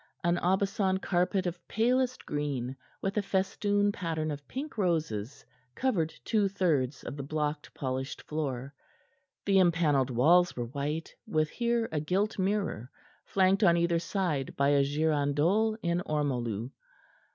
An Aubusson carpet of palest green, with a festoon pattern of pink roses, covered two thirds of the blocked, polished floor. The empanelled walls were white, with here a gilt mirror, flanked on either side by a girandole in ormolu.